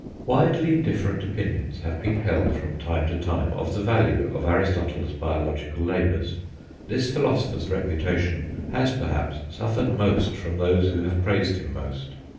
Widely different opinions have been held from time to time of the value of Aristotle's biological labours. This philosopher's reputation has, perhaps, suffered most from those who have praised him most.